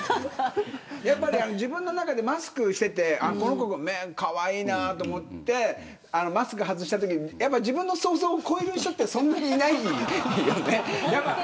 やっぱり、自分の中でマスクをしていてこの子かわいいなと思ってマスク外したときに自分の想像を超える人ってそんなにいない。